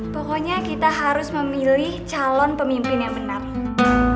pokoknya kita harus memilih calon pemimpin yang menarik